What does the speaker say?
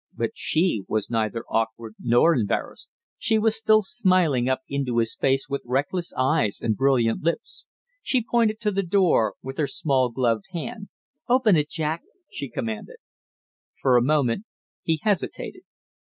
But she was neither awkward nor embarrassed; she was still smiling up into his face with reckless eyes and brilliant lips. She pointed to the door with her small gloved hand. "Open it, Jack!" she commanded. For a moment he hesitated.